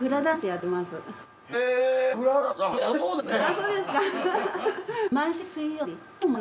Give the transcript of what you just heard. そうですね。